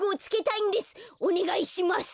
おねがいします。